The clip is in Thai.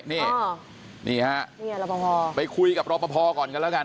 นี่นี่ฮะไปคุยกับรอปภก่อนกันแล้วกัน